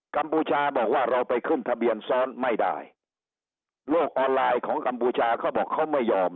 กมชาบอกว่าเราไปขึ้นทะเบียนซ้อนไม่ได้โลกออนไลน์ของกัมพูชาเขาบอกเขาไม่ยอม